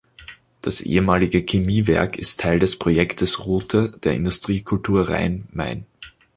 Das ehemalige Chemie-Werk ist Teil des Projektes Route der Industriekultur Rhein-Main.